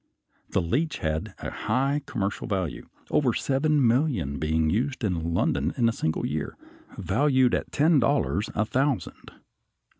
The leech had a high commercial value, over seven million being used in London in a single year, valued at ten dollars a thousand.